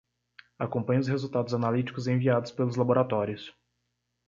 Acompanha os resultados analíticos enviados pelos laboratórios.